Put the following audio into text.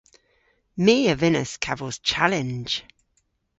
My a vynnas kavos chalenj.